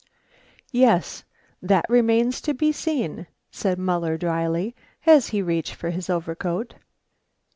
"Yes, that remains to be seen," said Muller dryly, as he reached for his overcoat.